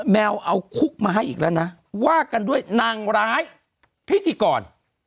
แมวเอาคุกมาให้อีกแล้วนะว่ากันด้วยนางร้ายพิธีกร